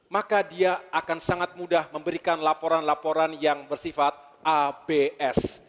maka dia akan sangat mudah memberikan laporan laporan yang bersifat abs